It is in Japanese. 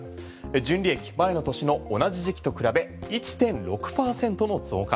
純利益、前の年の同じ時期と比べ１．６％の増加。